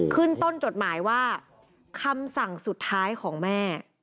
ขึ้นต้นจดหมายว่าคำสั่งสุดท้ายของแม่